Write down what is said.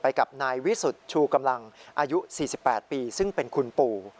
กับนายวิสุทธิ์ชูกำลังอายุ๔๘ปีซึ่งเป็นคุณปู่